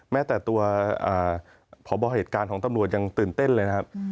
แม้แต่ตัวพบเหตุการณ์ของตำรวจยังตื่นเต้นเลยนะครับ